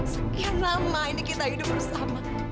sekian lama ini kita hidup bersama